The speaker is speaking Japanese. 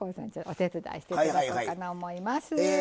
お手伝いして頂こうかな思います。